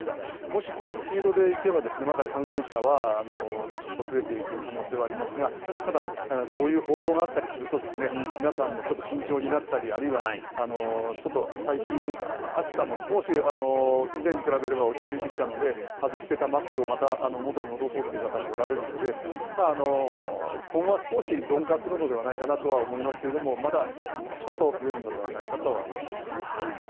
もしこのスピードで行けばまだ感染者はちょっと増えていく可能性はありますがただこういう報道があったりすると皆さんもちょっと慎重になったりあるいは最近、暑さも少し以前に比べれば落ち着いてきたので外していたマスクをまた元に戻そうという方もおられるので今後は少し鈍化するのではないかと思いますがまだもうちょっと増えるのではないかとは思います。